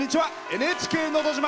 「ＮＨＫのど自慢」。